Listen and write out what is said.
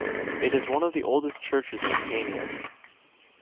It is one of the oldest churches in Scania.